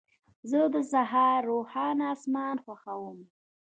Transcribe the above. زه د سهار روښانه اسمان خوښوم.